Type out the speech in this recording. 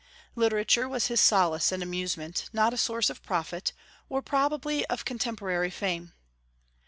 Literature was his solace and amusement, not a source of profit, or probably of contemporary fame.